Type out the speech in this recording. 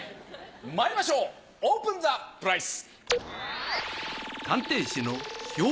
まいりましょうオープンザプライス。